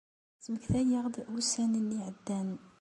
Ttmektayeɣ-d ussan-nni iɛeddan.